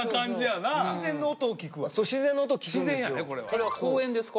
これは公園ですか？